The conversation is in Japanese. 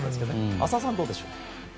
浅尾さん、どうでしょう。